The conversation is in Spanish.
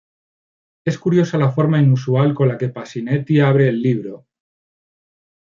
Es curiosa la forma inusual con la que Pasinetti abre el libro.